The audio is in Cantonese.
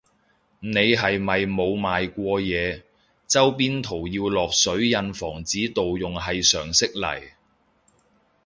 你係咪冇賣過嘢，周邊圖要落水印防止盜用係常識嚟